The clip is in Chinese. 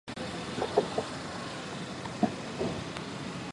南瓜瓜子可以做零食。